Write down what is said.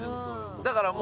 だからもう。